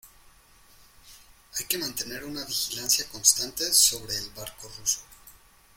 hay que mantener una vigilancia constante sobre el barco ruso.